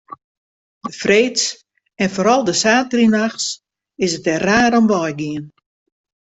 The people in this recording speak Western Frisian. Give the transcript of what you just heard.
De freeds en foaral de saterdeitenachts is it der raar om wei gien.